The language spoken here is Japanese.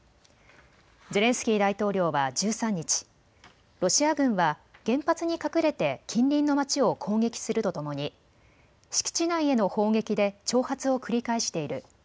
ゼレンスキー大統領は１３日、ロシア軍は原発に隠れて近隣の町を攻撃するとともに敷地内への砲撃で挑発を繰り返している。